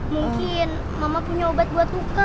mungkin mama punya obat buat luka